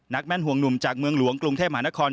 แม่นห่วงหนุ่มจากเมืองหลวงกรุงเทพมหานคร